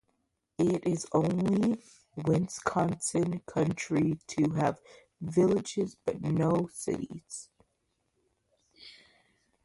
It is the only Wisconsin county to have villages but no cities.